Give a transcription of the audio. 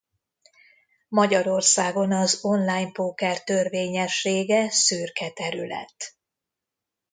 Magyarországon az online póker törvényessége szürke terület.